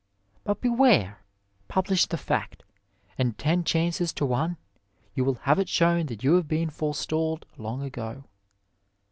But beware ! Publish the fact, and ten chances to one you will have it shown that you have been forestalled long ago.